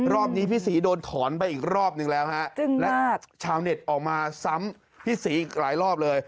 รอบนี้พี่ศรีโดนถอนไปอีกรอบนึงแล้วฮะและชาวเน็ตออกมาซ้ำพี่ศรีอีกหลายรอบเลย